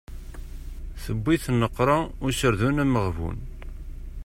Tewwet-it nneqra userdun ameɣbun.